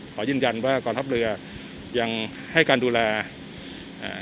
ขอยืนยันว่ากองทัพเรือยังให้การดูแลอ่า